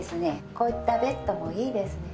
こういったベッドもいいですね。